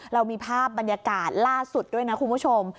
เรามีภาพบรรยากาศล่าสุดด้วยนะคุณผู้ชม